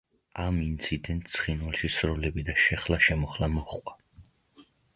ამ ინციდენტს ცხინვალში სროლები და შეხლა-შემოხლა მოჰყვა.